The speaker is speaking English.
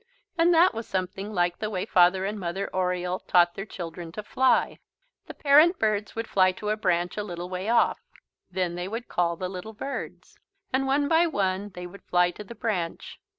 And that was something like the way Father and Mother Oriole taught their children to fly. The parent birds would fly to a branch a little way off. Then they would call the little birds. And one by one they would fly to the branch.